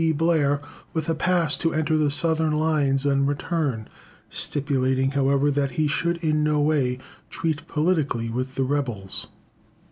Blair with a pass to enter the Southern lines and return, stipulating, however, that he should in no way treat politically with the rebels.